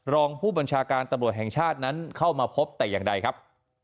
รองผู้บัญชาการตำรวจแห่งชาตินั้นเข้ามาพบแต่อย่างใดครับ